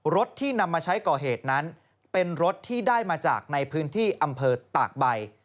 รถที่นำมาใช้ก่อเหตุนั้นเป็นรถที่ได้มาจากในพื้นที่อำเภอตากใบ